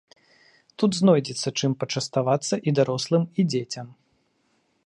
Тут знойдзецца, чым пачаставацца і дарослым, і дзецям.